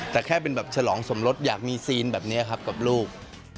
แต่แค่เป็นแบบฉลองสมรสอยากมีซีนแบบนี้ครับกับลูก